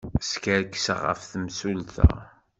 Skerkseɣ ɣef temsulta.